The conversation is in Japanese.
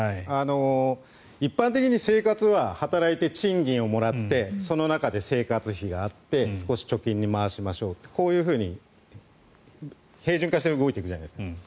一般的に生活は働いて賃金をもらってその中で生活費があって少し貯金に回しましょうとこういうふうに平準化して動いていくじゃないですか。